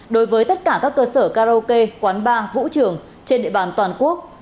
đối với tất cả các cơ sở karaoke quán bar vũ trường trên địa bàn toàn quốc